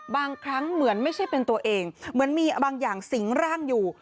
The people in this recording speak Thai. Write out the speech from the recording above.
บางครั้งเหมือนไม่ใช่เป็นตัวเองเหมือนมีบางอย่างสิงร่างอยู่